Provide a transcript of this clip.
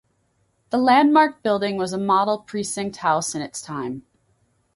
The landmarked building was a model precinct house in its time.